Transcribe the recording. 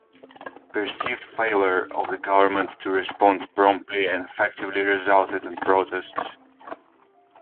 Perceived failure of the government to respond promptly and effectively resulted in protests.